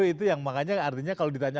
itu yang makanya artinya kalau ditanya